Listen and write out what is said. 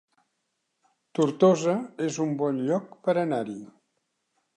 Tortosa es un bon lloc per anar-hi